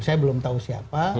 saya belum tahu siapa